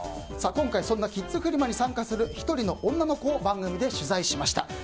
今回そんなキッズフリマに参加する１人の女の子を番組で取材しました。